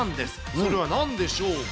それはなんでしょうか。